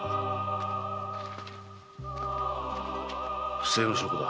不正の証拠だ。